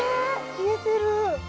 消えてる！